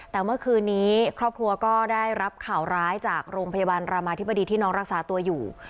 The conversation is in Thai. แต่เมื่อคืนนี้ครอบครัวก็ได้รับข่าวร้ายจากโรงพยาบาลรามาธิบดีที่น้องรักษาตัวอยู่